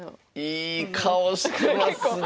いい顔してますねえ。